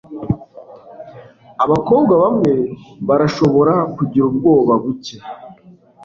abakobwa bamwe barashobora kugira ubwoba buke